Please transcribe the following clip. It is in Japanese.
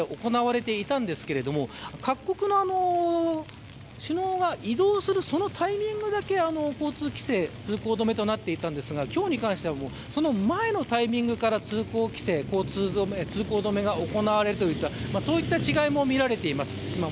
昨日も当然、周辺の交通規制行われてましたが各国の首脳が移動するタイミングだけ交通規制、通行止めとなっていましたが今日に関してはその前のタイミングから通行規制通行止めが行われるといったそういった違いもみられています。